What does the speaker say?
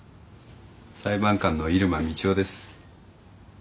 裁判官の入間みちおです。